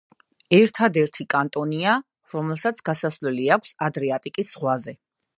ერთადერთი კანტონია, რომელსაც გასასვლელი აქვს ადრიატიკის ზღვაზე.